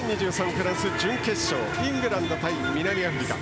フランス、準決勝イングランド対南アフリカ。